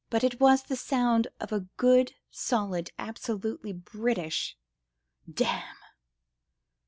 It was the sound of a good, solid, absolutely British "Damn!"